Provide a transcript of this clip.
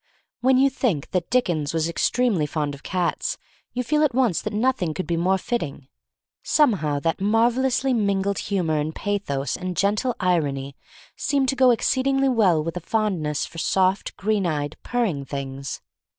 When you think that Dickens was extremely fond of cats you feel at once that nothing could be more fitting. Somehow that marvelously mingled humor and pathos and gentle irony seem to go exceedingly well with a fondness for soft, green eyed, purring things.